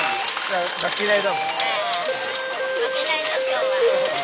はい。